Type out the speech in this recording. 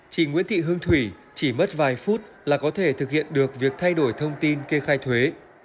chị nguyễn thị hương thủy chỉ mất vài phút là có thể thực hiện được việc thay đổi thông tin kê khai thuế